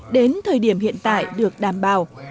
đến thời điểm hiện tại được đảm bảo